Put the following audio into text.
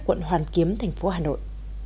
quận hoàn kiếm thành phố hà nội